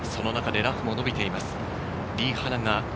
その中でラフも伸びています。